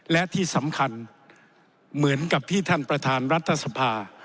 และที่สำคัญเหมือนกับที่ท่านประธานรัฐสภา